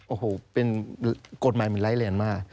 โอ้โหเป็นกฎหมายมันไร้เรียนมาก